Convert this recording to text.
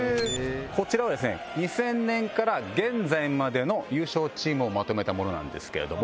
こちらはですね２０００年から現在までの優勝チームをまとめたものなんですけれども。